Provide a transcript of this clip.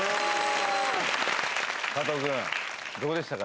加藤君、どうでしたか？